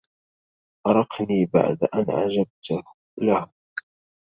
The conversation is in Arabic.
أرقني بعد أن عجبت له